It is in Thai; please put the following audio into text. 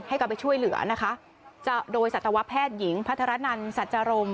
กลับไปช่วยเหลือนะคะจะโดยสัตวแพทย์หญิงพัทรนันสัจรม